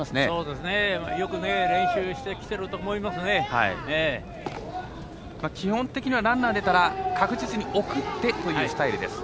よく練習してきていると基本的にはランナーが出たら、確実に送ってというスタイルです。